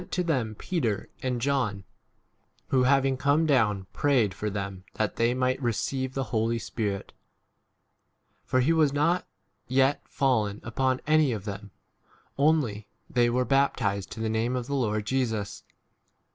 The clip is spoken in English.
15 to them Peter and John ; who, having come down, prayed for them that they might receive 16 f the] Holy Spirit ; for he was not yet fallen upon any of them, only they were baptized to the name of *' the Lord Jesus.